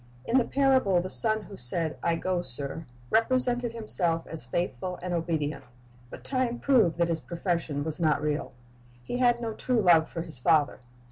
In the parable the son who said, 'T go, sir," represented himself as faithful and obedient; but time proved that his profession was not real. He had no true love for his father.